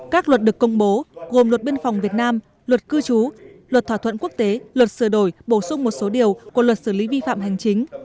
các luật được công bố gồm luật biên phòng việt nam luật cư trú luật thỏa thuận quốc tế luật sửa đổi bổ sung một số điều của luật xử lý vi phạm hành chính